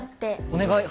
お願い？